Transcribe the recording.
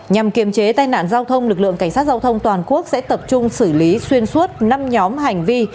nhằm kiềm chế tai nạn giao thông lực lượng cảnh sát giao thông toàn quốc sẽ tập trung xử lý xuyên suốt năm nhóm hành vi